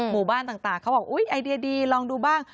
หมู่บ้านต่างเขาบอกอุ๊ยไอเดียดีลองดูบ้าง